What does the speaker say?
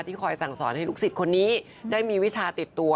คอยสั่งสอนให้ลูกศิษย์คนนี้ได้มีวิชาติดตัว